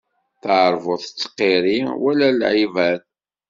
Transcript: Taṛbut tettqiṛṛi, wala lɛibad.